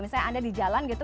misalnya anda di jalan gitu